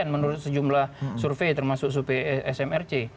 menurut sejumlah survei termasuk survei smrc